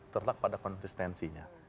terletak pada konsistensinya